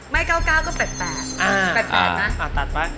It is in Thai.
ไม่เก้าเก้าก็๘๘อ่าตัดไป